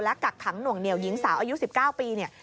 กักขังหน่วงเหนียวหญิงสาวอายุ๑๙ปีเนี่ย